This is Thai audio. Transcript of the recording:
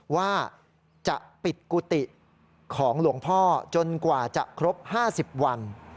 ว่าจะปิดกุฏิของหลวงพ่อจนกว่าจะครบ๕๐วัน